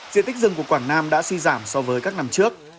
diện tích rừng của quảng nam đã suy giảm so với các năm trước